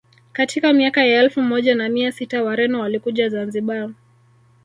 Katika miaka ya elfu moja na mia sita Wareno walikuja Zanzibar